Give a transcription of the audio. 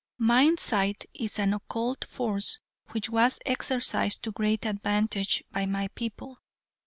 "Mind sight is an occult force which was exercised to great advantage by my people.